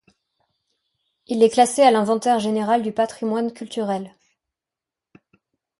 Il est classé à l'Inventaire général du patrimoine culturel.